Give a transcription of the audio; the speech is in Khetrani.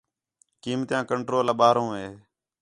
قیمتیاں کنٹرول آ ٻاہروں ہے